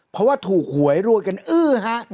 เพราะว่าถูกหวยรวยกันอื้อฮะ